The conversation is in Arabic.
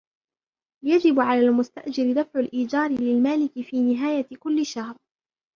يجب على المستأجر دفع الايجار للمالك في نهاية كل شهر.